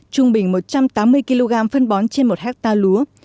trung bình một trăm tám mươi kg phân bón trên một hectare lúa